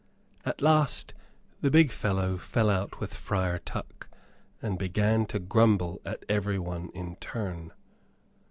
At last the big fellow fell out with Friar Tuck, and began to grumble at everyone in turn.